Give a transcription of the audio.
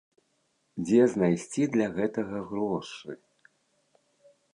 Дзе знайсці для гэтага грошы?